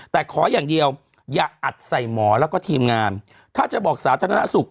แต่ขออย่างเดียวอย่าอัดใส่หมอแล้วก็ทีมงานถ้าจะบอกสาธารณสุข